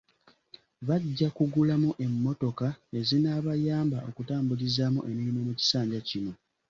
Bajja kugulamu emmotoka ezinaabayamba okutambulizaamu emirimu mu kisanja kino.